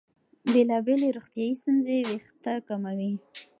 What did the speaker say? بېلابېلې روغتیايي ستونزې وېښتې کموي.